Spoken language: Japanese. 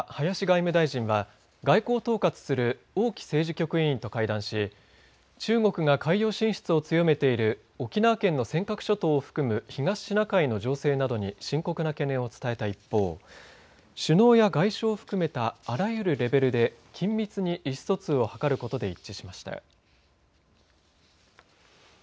中国を訪れた林外務大臣は外交を統括する王毅政治局委員と会談し中国が海洋進出を強めている沖縄県の尖閣諸島を含む東シナ海の情勢などに深刻な懸念を伝えた一方首脳や外相を含めたあらゆるレベルで緊密に意思疎通を図ることで一致しました。